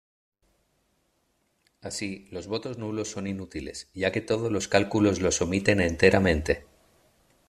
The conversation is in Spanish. Así, los votos nulos son inútiles, ya que todos los cálculos los omiten enteramente.